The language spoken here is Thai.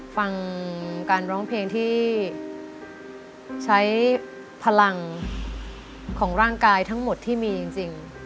ฟังการร้องเพลงที่ใช้พลังของร่างกายทั้งหมดที่มีจริง